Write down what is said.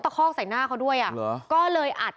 ตะคอกใส่หน้าเขาด้วยก็เลยอัด